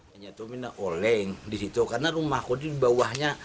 hanya tuh minah oleng di situ karena rumahku di bawahnya